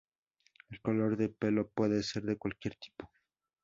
El color del pelo puede ser de cualquier tipo.